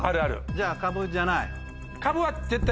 じゃあカブじゃない。